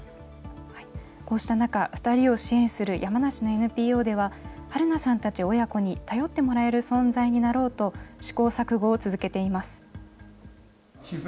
こうした中、２人を支援する山梨のＮＰＯでは、はるなさんたち親子に頼ってもらえる存在になろうと、試行錯誤を続けています。